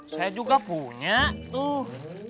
saya juga punya tuh